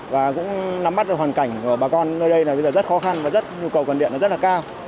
và cũng nắm mắt được hoàn cảnh của bà con nơi đây là rất khó khăn và nhu cầu cần điện rất là cao